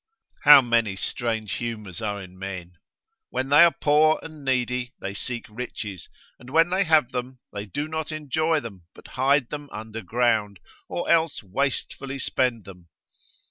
How many strange humours are in men! When they are poor and needy, they seek riches, and when they have them, they do not enjoy them, but hide them under ground, or else wastefully spend them.